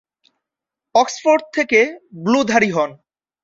Oxford থেকে ব্লুধারী হন।